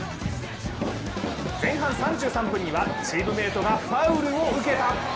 前半３３分には、チームメートがファウルを受けた。